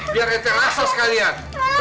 biar ente rasa sekalian